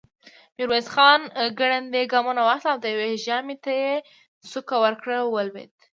ميرويس خان ګړندي ګامونه واخيستل، د يوه ژامې ته يې سوک ورکړ، ولوېد.